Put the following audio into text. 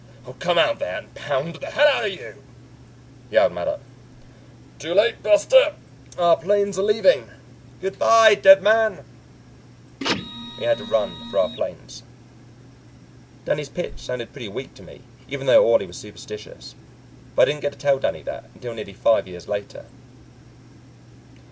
"I'll come out there and pound the hell out of you!" yelled Mattup. "Too late, Buster, our planes are leaving. Goodbye, dead man!" And we had to run for our planes. Danny's pitch sounded pretty weak to me, even though Orley was superstitious, but I didn't get to tell Danny that until nearly five years later.